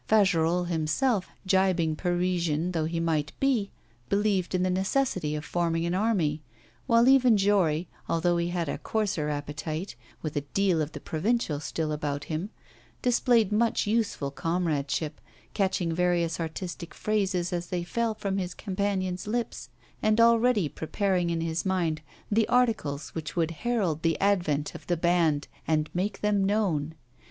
Fagerolles himself, gibing Parisian though he might be, believed in the necessity of forming an army; while even Jory, although he had a coarser appetite, with a deal of the provincial still about him, displayed much useful comradeship, catching various artistic phrases as they fell from his companions' lips, and already preparing in his mind the articles which would herald the advent of the band and make them known.